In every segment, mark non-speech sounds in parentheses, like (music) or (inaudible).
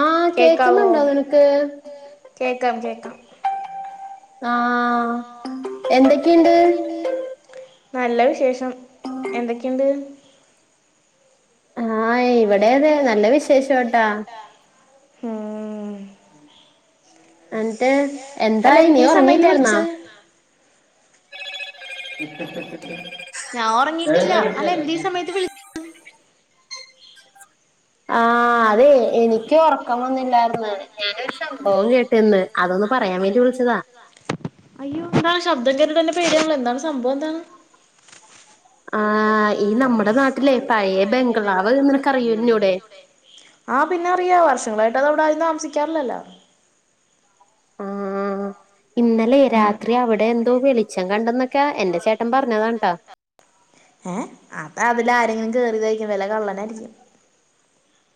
ആഹ് കേക്കുന്നുണ്ടോ നിനക്ക് ആഹ് എന്തൊക്കെയുണ്ട് നല്ല വിശേഷം എന്തൊക്കെയുണ്ട് ആഹ് ഇവിടെയതെ നല്ല വിശേഷംട്ടാ എന്നിട്ട് എന്തായി നീ ഒറങ്ങിയില്ലായിരുന്നാ (unintelligible) ഞാൻ ഒറങ്ങിട്ടില്ല അല്ല എന്തീ സമയത്ത് വിളി ആഹ് അതെ എനിക്കൊറക്കം വന്നില്ലായിരുന്ന് ഞാനൊരു സംഭവം കേട്ടിന്ന് അതൊന്ന് പറയാൻ വേണ്ടി വിളിച്ചതാ അയ്യോ എന്താണ് ശബ്ദം കേട്ടിട്ടന്നെ പേടയാവണല്ല എന്താണ് സംഭവെന്താണ് ആഹ് ഈ നമ്മുടെ നാട്ടിലേ പഴയ ബംഗ്ളാവ് നിനക്കറിയുന്നൂടെ ആഹ് പിന്നറിയാ വർഷങ്ങളായിട്ടതവടാരും താമസിക്കാറില്ലല്ലോ ആഹ് ഇന്നലെ രാത്രി അവിടെ എന്തോ വെളിച്ചം കണ്ടന്നൊക്കെ എന്റെ ചേട്ടൻ പറഞ്ഞതാണ് ട്ടാ ഏഹ് അത് അതിൽ ആരെങ്കിലും കേറിയതായിരിക്കും വല്ല കള്ളനായിരിക്കും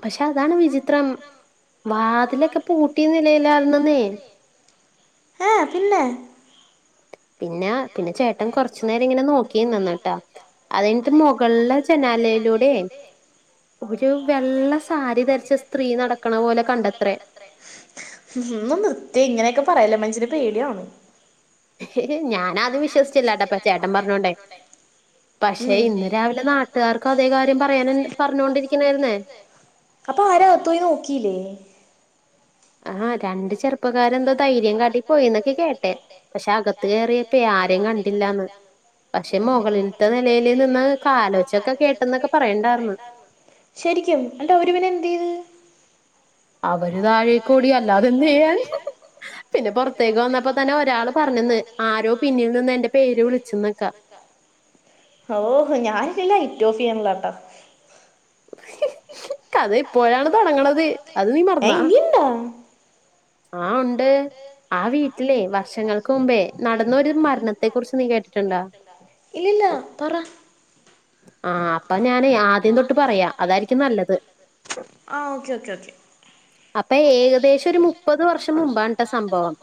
പക്ഷെ അതാണ് വിചിത്രം വാതിലൊക്കെ പൂട്ടിയ നിലയിലായിരുന്നന്നേ ഹാ പിന്നെ പിന്നെ പിന്നെ ചേട്ടൻ കുറച്ചു നേരം ഇങ്ങനെ നോ ക്കി നിന്നിട്ടാ അതഴിഞ്ഞിട്ട് മുകളിലെ ജനാലയിലൂടെ ഒരു വെള്ള സാരി ധരിച്ച സ്ത്രീ നടക്കണ പോലെ കണ്ടത്രേ ഒന്ന് നിർത്തിയെ ഇങ്ങനെയൊക്കെ പറയല്ലെ മനുഷ്യന് പേടിയാവണ് ഞാനത് വിശ്വസിച്ചില്ലാട്ടാപ്പ ചേട്ടൻ പറഞ്ഞോണ്ടേ പക്ഷെ ഇന്ന് രാവിലെ നാട്ടുകാർക്കും അതേ കാര്യം പറയാന പറഞ്ഞോൊണ്ടിരിക്കണായിരുന്നേ അപ്പൊ ആരും അകത്ത് പോയി നോക്കിയില്ലേ ആ ഹ രണ്ട് ചെറു പ്പക്കാരെന്തോ ധൈര്യം കാട്ടി പോയിന്നൊക്കെ കേട്ടെ പക്ഷെ അകത്ത് കയറിയപ്പ ആരേ കണ്ടില്ലാന്ന് പക്ഷെ മുകളളിലത്തെ നിലൽ നിന്ന് കാലോച്ചൊക്കെ കേട്ടന്നൊക്കെ പറയണ്ടായിന്ന് ശരിക്കും ണ്ട അവര് പിന്നെ എന്ത് ചെയ്ത് അവര് താഴേക്ക് ഓടിഅല്ലാതെ എന്ത് ചെയ്യാൻ പിന്നെ പുറത്തേക്ക് വന്നപ്പോ തന്നെ ഒരാള് പറഞ്ഞന്ന് ആരോ പിന്നീ നിന്ന് എന്റെ പേര് വിളിച്ചുന്നക്കാ ഓഹൊ ഞാനിന്ന് ലൈറ്റ് ഓഫ് ചെയ്യള്ളാട്ട കഥ ഇപ്പോഴാണ് തുടങ്ങണത് അത് നീ മറന്നാ ആഹ് ഉണ്ട് ആ വീട്ടിലെ വർഷങ്ങൾക്ക് മുമ്പേ നടന്നരു മരണത്തെ കുറിച്ച് നീ കേട്ടിട്ടുണ്ടോ ഇല്ലല്ല പറ ആഹ് അപ്പൊ ഞാനെ ആദ്യം തൊ ട്ട് പറയാം അതായിരിക്കും നല്ലത് ആ ഓക്കേ ഓക്കേ ഓക്കെ അപ്പൊ ഏകദേശം ഒരു മുപ്പത് വർഷം മുമ്പാണട്ട സംഭവം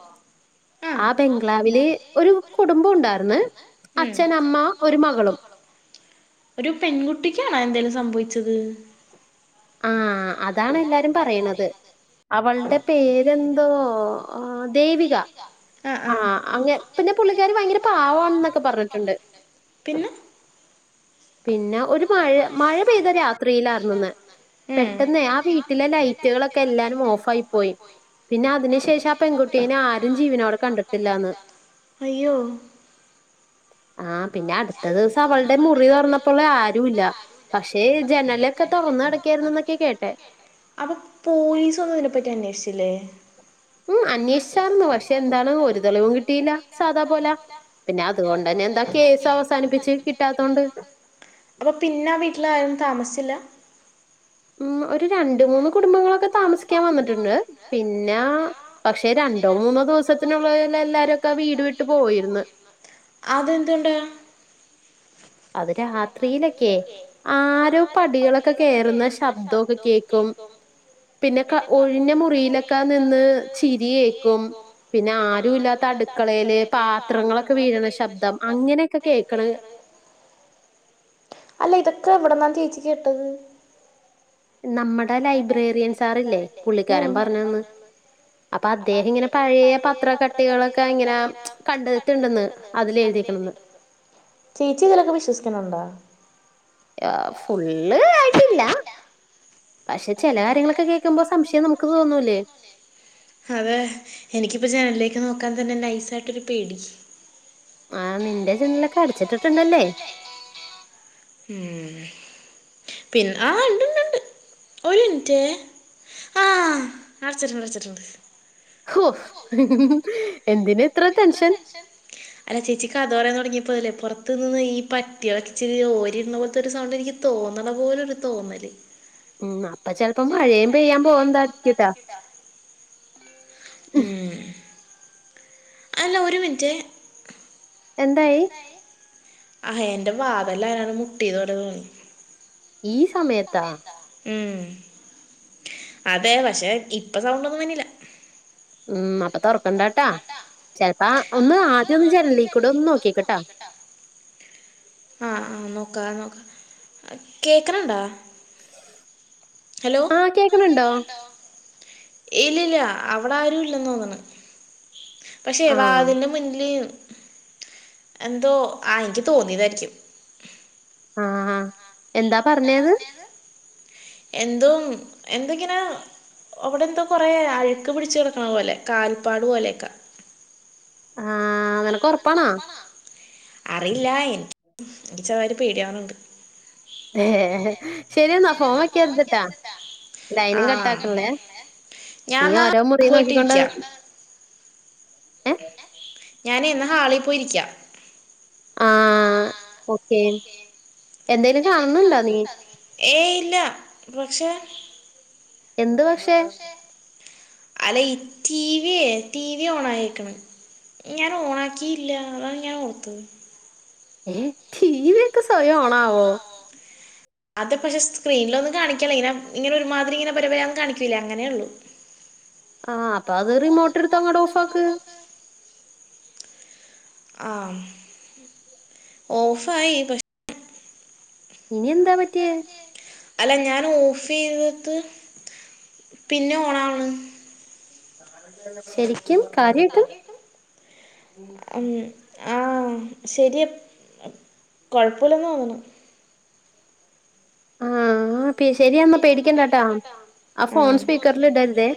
ആ ബംഗ്ലാാവിലെ ഒരു കുടുംബം ഉണ്ടായിന്ന് അച്ഛൻ അമ്മ ഒരു മകളും ഉ ഒരു പെൺകുട്ടിക്കാണോ എന്തേലും സംഭവിച്ചത് ആഹ് അതാണ് എല്ലാരും പറയണത് അവളുടെ പേരെന്തോ ദേവിക ആഹ് അങ്ങെ പിന്നെ പുള്ളിക്കാരി ഭയങ്കര പാവ എന്നൊക്കെ പറഞ്ഞിട്ടുണ്ട് പിന്നെ പിന്നെ ഒരു മഴ മഴ പെയ്ത രാത്രിയിലായിരുന്നുന്ന് പെട്ടെന്ന് ആ വീട്ടിലെ ലൈറ്റുകളൊക്കെ എല്ലാരും ഓഫായി പോയി പിന്നെ അതിനു ശേഷം ആ പെൺകുട്ടീനെ ആരും ജീവനോടെ കണ്ടിട്ടില്ലന്ന് ആഹ് പിന്നെ അടുത്ത ദിവസം അവളുടെ മു റി തൊറന്നപ്പോൾ ആരും ഇല്ല പക്ഷെ ജനല ഒക്കെ തുറന്ന് കിടക്കായിരുന്ന എന്നൊക്കെ കേട്ടെ അപ്പൊ പോലീസ് ഒന്നും ഇതിനെ പറ്റി അന്വേഷിച്ചില്ലേ ഉം അന്വേഷിച്ചായിർന്നു പക്ഷെ എന്താണ് ഒരു തെളിവും കിട്ടിയില്ല സാദാ പോല പിന്നെ അതുകൊണ്ട് തന്നെ എന്താ കേസ് അവസാനിപ്പിച്ച് കിട്ടാത്തോണ്ട് അപ്പ പിന്നെ വീട്ടിൽ ആരും താമസിചില്ല ഉം ഒരു രണ്ട മൂന്ന് കുടുംബങ്ങളൊക്കെ താമസിക്കാൻ വന്നിട്ടുണ്ട് പിന്ന പക്ഷെ രണ്ടോ മൂന്നോ ദിവസത്തിനുള്ളല എല്ലാരും ഒക്കെ വീട് വിട്ട് പോയിന്ന് അതെന്തുണ്ട അത് രാത്രിയിലൊക്കെ ആരോ പടികളൊക്കെ കേയറുന്ന ശബ്ദമൊക്കെ കേക്കും പിന്നെ ക ഒഴിഞ്ഞ മുറിയിലൊക്കെ നിന്ന് ചിരിയേക്കും പിന്നെ ആരു ഇല്ലാത്ത അടുക്കളയില് പാത്രങ്ങളൊക്കെ വീഴണ ശബ്ദം അങ്ങനെയൊക്കെ കേക്കണ അല്ല ഇതൊക്കെ ഇവിടെന്നാണ് ചേച്ചി കേട്ടത് നമ്മുടെ ലൈബ്രേറിയൻ സാറല്ലേ പുള്ളിക്കാരൻ പറഞ്ഞന്ന് അപ്പ അദ്ദേഹം ഇങ്ങനെ പഴയ പത്ര കട്ടികളൊക്കെ ഇങ്ങനെ കണ്ടെട്ട്ണ്ടന്ന് അതിലെഴുതിക്കണന്ന് ചേച്ചി ഇതിലൊക്കെ വിശ്വസിക്കണുണ്ടോ യാ ഫുള്ള് ആയിട്ടില്ല പക്ഷെ ചെല കാര്യങ്ങളൊക്കെ കേക്കുമ്പോ സംശയം നമുക്ക് തോന്നൂലേ അതെ എനിക്കിപ്പോ ജനലിലേക്ക് നോക്കാൻ തന്നെ നൈസായിട്ടൊരു പേടി ആഹ് നിന്റെ ജനലൊക്കെ അടച്ചിട്ടിട്ടുണ്ടല്ലേ ഉം പിന്നെ ആഹ് ഇണ്ട്ണ്ടുണ്ട് ഒരു മിനിറ്റെ ആഹ് അടച്ചിട്ടുണ്ട് അടച്ചിട്ടുണ്ട് ഹോ എന്തിന ഇത്ര ടെൻഷൻ ചെൻ അല്ല ചേച്ചി കഥ പറയാൻ തൊടങ്ങിയപ്പോല്ലേ പൊറത്ത് നിന്ന് ഈ പട്ടി കരച്ചില് ഓരിടുന്ന പോലത്തെ ഒരു സൗണ്ട് എനിക്ക് തോന്നണ പോലൊരു തോന്നല് ഉം അപ്പൊ ചെലപ്പം മഴേം പെയ്യാൻ പോവ്വാൻ (unintelligible) ഉം അല്ല ഒരു മിനിറ്റെ എന്തായി ആഹ് എന്റെ വാതല് ആരാണ്ട് മുട്ടിയതോലെ തോന്നി ഈ സമയത്ത ഉം അതെ പക്ഷെ ഇപ്പ സൗണ്ടൊന്നും വര്ണില്ല ഉം അപ്പൊ തൊറക്കണ്ടാട്ടാ ചെലപ്പാ ഒന്ന് ആദ്യം ഒന്ന് ജനലികൂടെ ഒന്ന് നോക്കിക്കട്ടോ ആഹ് ആഹ് നോക്കാ നോക്ക കേക്കണണ്ടാ ഹലോ ആഹ് കേക്കണണ്ടോ ഇല്ലില്ല അവിടാരും ഇല്ലന്ന് തോന്നണ് പക്ഷെ വതില്ന്റെ മുന്നില് എന്തോ ആഹ് എനിക്ക് തോന്നിയതായിരിക്കും ആഹ് എന്താ പറഞ്ഞെത് എന്തോ എന്തോങ്ങനെ അവിടെന്തോ കൊറേ അഴുക്ക് പിടിച്ച് കിടക്കണ പോലെ കാൽപ്പാട് പോലെയൊക്കെ ആഹ് നിനക്കൊറപ്പാണോ അറിയില്ല എനിക്ക് എനിക്ക് ചെർതായിട്ട് പേടിയാവണണ്ട് ഏഹ് ശരിയെന്നാ ഫോൺ വെക്കരുതിട്ട ലൈനും കട്ടാക്കല്ലേ നീ ഓരോ മുറി നോക്കിക്കൊണ്ട് ഞാന് എന്നാ ഹാളി പോയിരിക്കാം ആഹ് ഓക്കെ എന്തേലും കാണുന്നുണ്ടോ നീ ഏയ് ഇല്ല പക്ഷെ എന്ത് പക്ഷെ അല്ല ഈ ടി വി യേ ടി വി ഓൺ ആയേക്കണ് ഞാൻ ഓണാക്കിയില്ല അതാണ് ഞാൻ ഓർത്തത് ഏഹ് ടി വി യൊക്കെ സ്വയം ഓണാവോ അത് പക്ഷെ സ്ക്രീനിലൊന്നും കാണിക്കല്ലേ ഇങ്ങനെ ഇങ്ങനെ ഒരുമാതിരി ഇങ്ങനെ പരപരാന്ന് കാണിയ്ക്കൂല്ലേ അങ്ങനെ ഒള്ളൂ ആഹ് അപ്പത് റിമോട്ട് എടുത്ത് അങ്ങട് ഓഫ് ആക്ക് ആഹ് ഓഫായി പക്ഷ് ഇനിയെന്താ പറ്റിയെ അല്ല ഞാൻ ഓഫ് ചെയ്തിട്ട് പിന്നെ ഓണാവ്ണ് (inaudible) ശരിക്കും കാ കാര്യായിട്ടാണ് ഉം ആഹ് ശരിയ കൊഴപ്പുല്ലെന്ന് തോന്നണു ആഹ് പെ ശെരിയെന്ന പേടിക്കണ്ടാട്ടാ ആഹ് ഫോൺ സ്പീക്കറിൽ ഇടരുതേ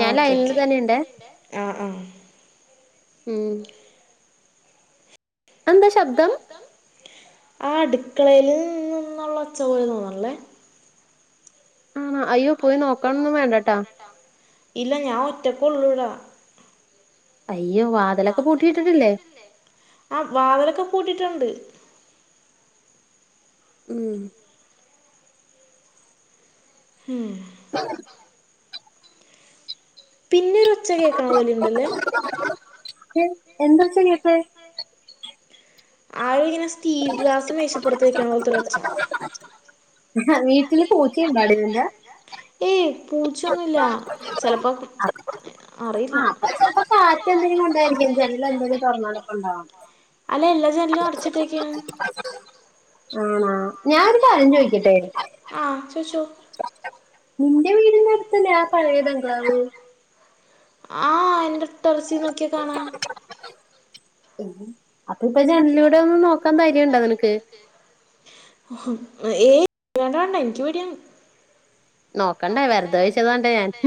ഞാൻ ലൈനില് തന്നെയുണ്ടെ ഉം അതെന്താ ശബ്ദം ആഹ് അടുക്കളയിൽ നിന്നുന്നൊള്ള ഒച്ചപോലെ തോന്ന്ണ്ല്ലെ ആണോ അയ്യോ പോയി നോക്കണൊന്നും വേണ്ടാട്ടോ ഇല്ല ഞാൻ ഒറ്റക്കൊള്ളൂടാ. അയ്യോ വാതിലൊക്കെ പൂട്ടിയിട്ടിട്ടില്ലേ. ആഹ് വാതിലൊക്കെ പൂട്ടീട്ടൊണ്ട്. ഉം. ഉം. (inaudible) പിന്നൊരു ഒച്ച കേക്കണ പോലെണ്ടല്ലേ. ഏഹ് എന്തൊച്ച കേട്ടെ. ആയിങ്ങനെ സ്റ്റീൽ ഗ്ലാസ്സു മേശപ്പുറത്ത് വെക്കണ പോൽത്തൊരൊ‌ച്ച. വീട്ടില് പൂച്ചയുണ്ടാടി നിൻ്റെ. ഏയ് പൂച്ചൊന്നുല്ലാ ചെലപ്പം അറിയില്ല. അതു ചെൽപ്പം കാറ്റ് എന്തെങ്കും ഉണ്ടായിരിക്കും ജനലോ എന്തേലും തൊറന്നു കെടപ്പുണ്ടോ. അല്ല എല്ലാ ജനലും അടച്ചിട്ടേക്കെയാ. (unintelligible) ആണോ ഞാനൊരുകാര്യം ചോയ്ക്കട്ടെ. ആഹ് ചോയ്ച്ചോ. നിന്റെ വീടിന്റടുത്തല്ലെ ആ പഴയ ബംഗ്ലാവ്. ആഹ് എന്റെ ടെറസി നോക്കിയാ കാണാം. അതിപ്പ ജനലിലൂടെ ഒന്നു നോക്കാൻ ധൈര്യം ഉണ്ടോ നിനക്ക്. ഏയ് വേണ്ട വേണ്ട എനിക്ക് പേടിയാണ്. നോക്കട്ടേ വെർതെ (unintelligible) ണ്ടേ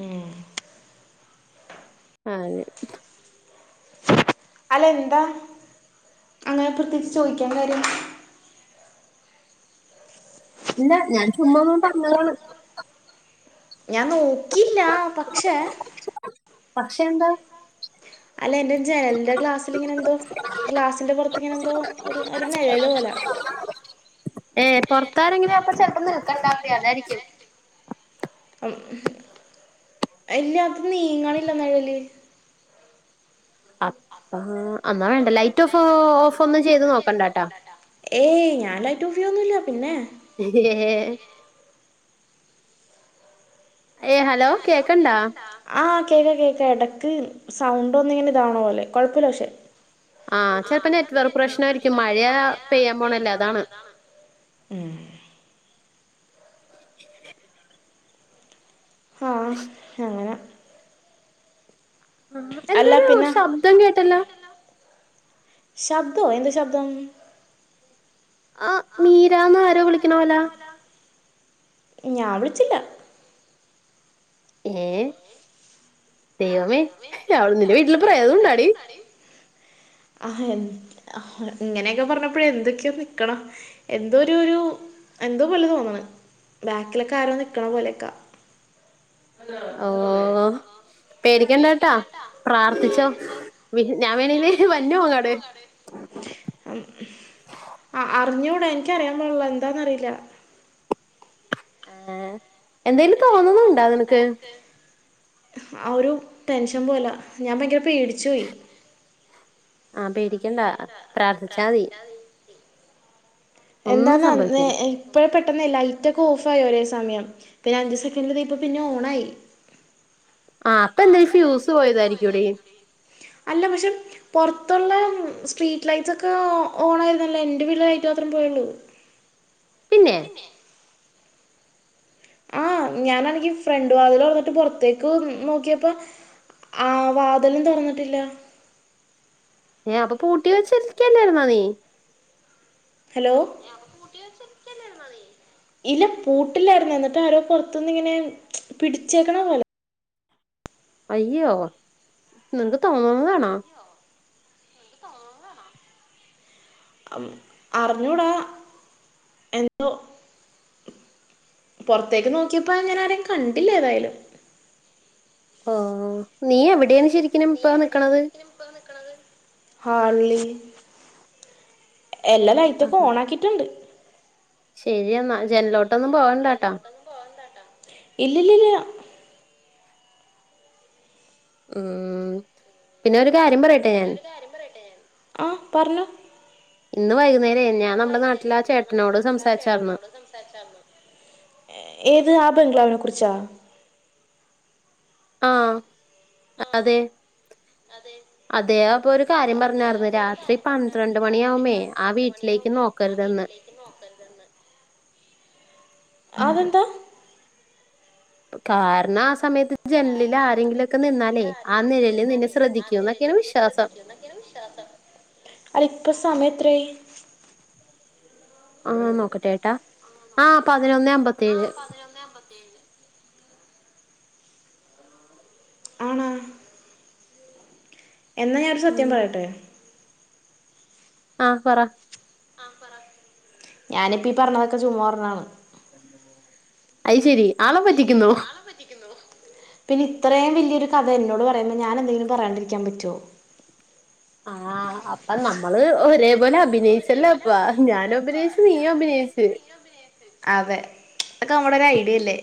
ഉം. അതെ. അല്ലെന്താ അങ്ങനെ പ്രത്യേകിച്ച് ചോദിക്ക്യാൻ കാര്യം. ഇല്ല ഞാൻ ചുമ്മാ ഒന്നു പർഞ്ഞതാണ്. ഞാൻ നോക്കിയില്ല പക്ഷേ. പക്ഷെ എന്താ. അല്ല എന്റെ ജനലിന്റെ ഗ്ലാസ്സില്ങ്ങനെന്തോ ഗ്ലാസ്സിന്റെ പൊറത്ത്ങ്ങനെന്തോ ഒരു ഒരു നെഴല് പോല. ഏഹ് പൊർത്താരെങ്കിലും അപ്പ ചെൽപ്പം നിൽക്കണ്ടാപ്പി അതായിരിക്കും. ഉം ഇല്ല അത് നീങ്ങണില്ല നെഴല്. അഹ്. അങ്ങനണ്ട് ലൈറ്റൊക്കോ ഓഫൊന്നും ചെയ്ത് നോക്കണ്ടട്ടോ ഏയ് ഞാൻ ലൈറ്റ് ഓഫ് ചെയ്യൊന്നുല്ല. പിന്നേ. ഏഹ് ഏഹ് ഹലോ. കേക്കണ്ടാ. ആഹ് കേക്കാം കേക്കാം എടക്ക് സൗണ്ട് ഒന്നിങ്ങനെതാവണ പോലെ കൊഴപ്പല്ല പക്ഷെ. ആഹ് ചെൽപ്പ നെറ്റ് വർക്ക് പ്രശ്നായിരിക്കും മഴയാ പെയ്യാൻ പോണല്ലേ അതാണ്. ഉം. ആഹ് അങ്ങനെ. ആഹ് എന്തൊരു ശബ്ദം കേട്ടല്ലോ. ശബ്ദോ എന്തു ശബ്ദം. ആ മീരാന്ന് ആരോ വിളിക്കണ പോല. ഞാൻ വിളിച്ചില്ല. ഏഹ് ദൈവമേ അവള് നിന്റെ വീട്ടില് പ്രേതം ഉണ്ടോടി. ആഹ് ഇങ്ങനെക്കെ പർഞ്ഞപ്പഴ് എന്തൊക്കെയോ നിക്കണ. എന്തോ ഒരു ഒരു എന്തോ പോലെ തോന്നണ് ബാക്കിലൊക്കെ ആരോ നിക്കണ പോലെക്ക. ഓഹ് പേടിക്കണ്ട കേട്ടാ പ്രാർത്ഥിച്ചോ ഞാൻ വേണേല് വരനോ അങ്ങട് ആഹ് അറിഞ്ഞൂടാ എനിക്കറിയാൻ പാടിള്ളാ എന്താന്നറിയില്ല ആഹ് എന്തേലും തോന്നുന്നുണ്ടോ നിനക്ക് ആഹ് ഒരു ടെൻഷൻ പോല ഞാൻ ഭയങ്കര പേടിച്ചു പോയി ആഹ് പേടിക്കണ്ട പ്രാർത്ഥിച്ചാ മതി എന്താണ് അന്ന് ഇപ്പഴെ പെട്ടെന്ന് ലൈറ്റ് ഒക്കെ ഓഫ്‌ ആയി ഒരേ സമയം പിന്നെ അഞ്ച് സെക്കന്റ് ഇതെ ഇപ്പ പിന്നെ ഓണായി ആഹ് അപ്പ എന്തേലും ഫ്യൂസ് പോയതായിരിക്കും എടീ അല്ല പക്ഷെ പുറത്തുള്ള സ്ട്രീറ്റ് ലൈറ്റ്സ് ഒക്കെ ഓൺ ആയിരുന്നല്ലേ എന്റെ വീട്ടിലെ ലൈറ്റ് മാത്രം പോയള്ളൂ പിന്നെ ആഹ് ഞാനാണെങ്കി ഫ്രണ്ട് വാതിൽ വന്നിട്ട് പുറത്തേക്ക് നോക്കിയപ്പോ ആഹ് വാതിലും തൊറന്നിട്ടില്ല ഏഹ് അപ്പ പൂട്ടി വെച്ചിരിക്കല്ലായിരുന്നോ നീ ഹലോ (unintelligible) (unintelligible) ഇല്ല പൂട്ടില്ലായിരുന്നു എന്നിട്ട് ആരോ പൊറത്ത് നിന്ന് ഇങ്ങനെ പിടിച്ചേക്കണ പോലെ അയ്യോ നിനക്ക് തോന്നുന്നത് ആണോ അറിഞ്ഞൂടാ എന്തോ പൊറത്തേക്ക് നോക്കിയപ്പോ ഞാൻ ആരെയും കണ്ടില്ല ഏതായാലും ഓഹ് നീ എവിടെയാണ് ശരിക്കും ഇപ്പ നിക്കണത് ഹാളില് എല്ലാം ലൈറ്റൊക്കെ ഓൺ ആക്കിയിട്ടുണ്ട് ശരിയെന്നാ ജനലിലോട്ടൊന്നും പോവണ്ടാട്ടോ ഇല്ല ഇല്ലില്ല ആഹ് പിന്നെ ഒരു കാര്യം പറയട്ടെ ഞാൻ ഒരു കാര്യം പറയട്ടെ ആഹ് പറഞ്ഞോ ഇന്ന് വൈകുന്നേരേ ഞാൻ നമ്മുടെ നാട്ടിലെ ആ ചേട്ടനോട് സംസാരിച്ചാർന്ന് സംസാരിച്ചാർന്നു ഏത് ആഹ് ബംഗ്ലാവിനെ കുറിച്ചാ ആഹ് അതെ അതെയ് അപ്പോ ഒരു അതേ അപ്പ ഒരു കാര്യം പറഞ്ഞായിരുന്നു രാത്രി പന്ത്രണ്ട് മണിയാവുമേ ആ വീട്ടിലേക്ക് നോക്കരുത് (unintelligible) അതെന്താ കാരണം ആ സമയത്ത് ജനലിൽ ആരെങ്കിലൊക്കെ നിന്നാലേ ആ നിഴല് നിന്നെ ശ്രദ്ധിക്കൂ എന്നൊക്കെയാണ് വിശ്വാസം വിശ്വാസം അൽ ഇപ്പൊ സമയെത്രയായി (inaudible) ആഹ് നോക്കട്ടെ ട്ടാ ആ പതിനൊന്നേ അമ്പത്തിയേഴ് പതിനൊന്നെ അമ്പത്തിഏഴ് ആണോ എന്നാ ഞാനൊരു സത്യം പറയട്ടെ ആഹ് പറ ആഹ് പറ ഞാനിപ്പ ഈ പറഞ്ഞതൊക്കെ ചുമ്മാ പറഞ്ഞതാണ് അയ് ശരി ശരി ആളെ പറ്റിക്കുന്നോ പിന്നെ ഇത്രയും വലിയൊരു കഥ എന്നോട് പറയുമ്പോൾ ഞാൻ എന്തെങ്കിലും പറയാണ്ടിരിക്കാൻ പറ്റോ ആഹ് അപ്പ നമ്മള് ഒരേ പോോലെ അഭിനയിച്ചല്ലേ അപ്പ ഞാനും അഭിനയിച്ചു നീയും അഭിനയിച്ച് അതെ അതക്കെ നമ്മടൊ ഒരു ഐഡിയ അല്ലേ